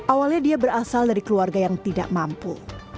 awalnya dia berasal dari keluarga yang tidak mampu